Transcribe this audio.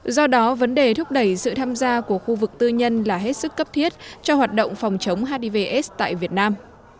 do đó vấn đề thúc đẩy sự tham gia của khu vực tư nhân là hết sức cấp thiết cho hoạt động phòng chống hiv aids tại việt nam